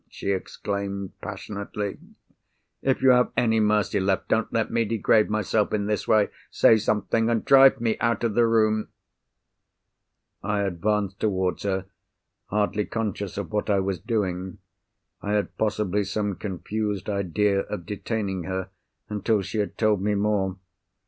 she exclaimed, passionately. "If you have any mercy left, don't let me degrade myself in this way! Say something—and drive me out of the room!" I advanced towards her, hardly conscious of what I was doing. I had possibly some confused idea of detaining her until she had told me more.